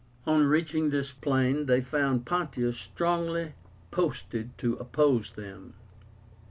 On reaching this plain they found Pontius strongly posted to oppose them.